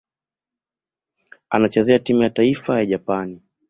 Anachezea timu ya taifa ya Japani.